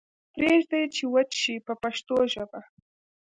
پریږدئ چې وچ شي په پښتو ژبه.